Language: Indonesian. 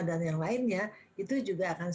dan yang lainnya itu juga akan